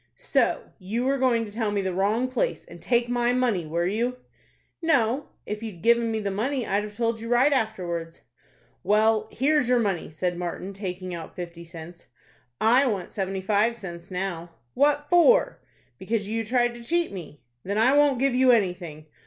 "So you were going to tell me the wrong place, and take my money, were you?" "No; if you'd given me the money, I'd have told you right afterwards." "Well, here's your money," said Martin, taking out fifty cents. "I want seventy five cents now." "What for?" "Because you tried to cheat me." "Then I won't give you anything."